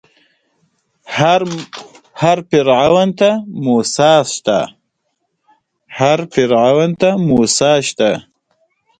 کعبه وداني ساده ده خو ځلېدونکې ښکاري.